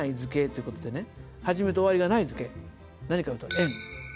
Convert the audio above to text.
何か言うと円。